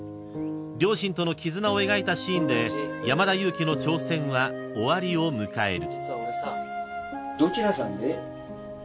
［両親との絆を描いたシーンで山田裕貴の挑戦は終わりを迎える］